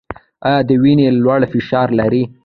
ایا د وینې لوړ فشار لرئ؟